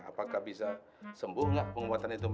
apakah bisa sembuh gak pengobatan itu